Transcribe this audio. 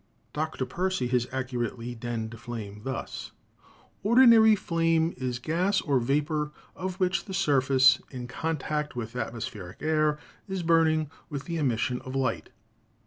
Dr. Percy has accurately denned flame thus: "Ordinary flame is gas or vapor of which the surface, in contact with atmospheric air, is burning with the emission of light."